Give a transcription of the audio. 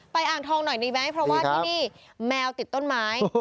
อ่างทองหน่อยดีไหมเพราะว่าที่นี่แมวติดต้นไม้